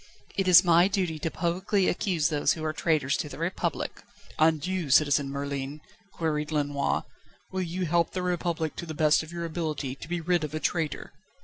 "It is my duty to publicly accuse those who are traitors to the Republic." "And you, Citizen Merlin," queried Lenoir, "will you help the Republic to the best of your ability to be rid of a traitor?"